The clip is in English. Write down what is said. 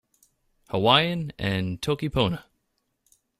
Hawaiian and Toki Pona.